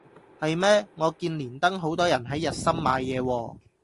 係咩我見連登好多人係日森買嘢喎